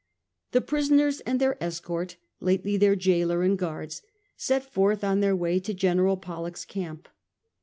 The prisoners and their escort, lately their gaoler and guards, set forth on their way to General Pollock's camp.